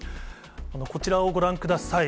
こちらをご覧ください。